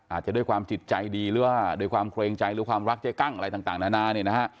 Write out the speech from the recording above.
อาจจะความจิตใจดีหรือว่าโครงใจหรือความรักเจ๊กั้งอะไรต่างนานา